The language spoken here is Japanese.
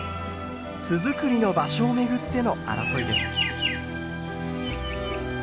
巣づくりの場所を巡っての争いです。